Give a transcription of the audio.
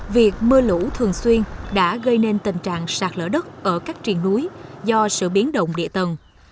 việc mưa lũ thường xuyên đã gây nên tình trạng sạt lỡ đất ở các triền núi do sự biến động địa tần